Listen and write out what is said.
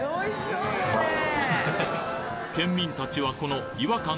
県民たちはこの違和感